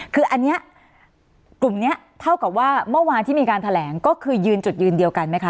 คืออันนี้กลุ่มนี้เท่ากับว่าเมื่อวานที่มีการแถลงก็คือยืนจุดยืนเดียวกันไหมคะ